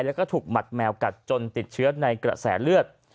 แล้วก็ถูกหมัดแมวกัดจนติดเชื้อในกระแสเลือด